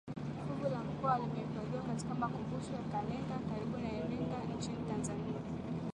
Fuvu la Mkwawa limehifadhiwa katika Makumbusho ya Kalenga karibu na Iringa nchini Tanzania